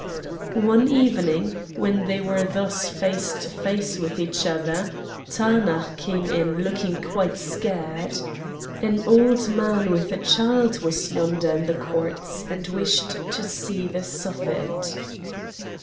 One evening when they were thus face to face with each other, Taanach came in looking quite scared. An old man with a child was yonder in the courts, and wished to see the Suffet.